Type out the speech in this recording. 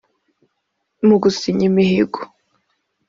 Mu gusinya imihigo